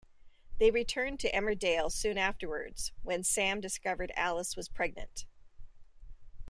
They returned to Emmerdale soon afterwards, when Sam discovered Alice was pregnant.